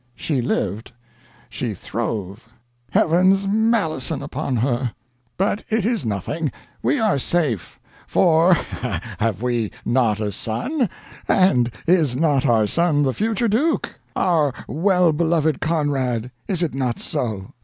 She lived, she throve Heaven's malison upon her! But it is nothing. We are safe. For, ha!ha! have we not a son? And is not our son the future duke? Our well beloved Conrad, is it not so?